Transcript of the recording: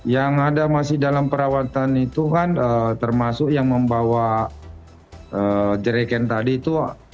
yang ada masih dalam perawatan itu kan termasuk yang membawa jeriken tadi itu